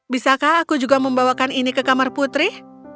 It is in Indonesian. bisakah aku juga membawakan ini ke kamar putri